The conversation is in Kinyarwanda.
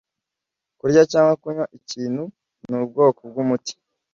Kurya cyangwa kunywa ikintu ni ubwoko bw'umuti.